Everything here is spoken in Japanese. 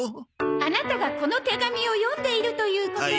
「あなたがこの手紙を読んでいるということは」